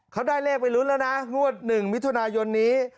เขาได้เลขไปลุ้นแล้วนะงวด๑มิถุนายนนี้